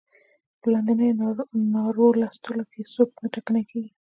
په لاندنیو نارو لوستلو کې څوک نه ټکنی کیږي.